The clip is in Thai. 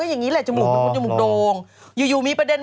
ร่วมเดินภงงานภงไม่ได้แดง